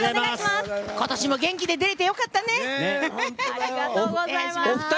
ことしも元気で出れてよかったね。